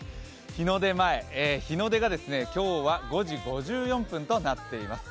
日の出前、日の出が今日は５時５４分となっています。